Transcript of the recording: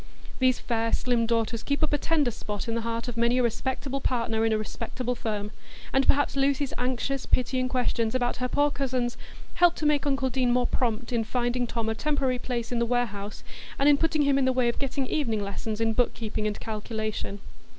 These fair slim daughters keep up a tender spot in the heart of many a respectable partner in a respectable firm, and perhaps Lucy's anxious, pitying questions about her poor cousins helped to make uncle Deane more prompt in finding Tom a temporary place in the warehouse, and in putting him in the way of getting evening lessons in book keeping and calculation.